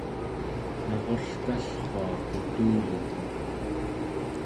narulkallrua putuluku